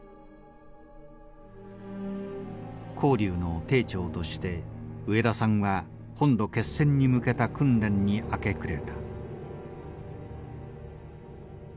蛟龍の艇長として植田さんは本土決戦に向けた訓練に明け暮れた。